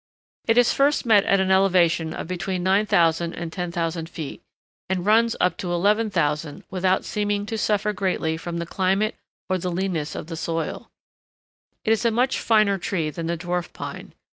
It is first met at an elevation of between 9000 and 10,000 feet, and runs up to 11,000 without seeming to suffer greatly from the climate or the leanness of the soil. It is a much finer tree than the Dwarf Pine.